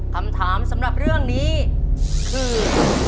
คำถามสำหรับเรื่องนี้คือ